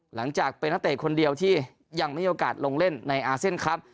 หลังจากเป็นนักเตะคนเดียวที่ยังไม่มีโอกาสลงเล่นในอาเซียนครับ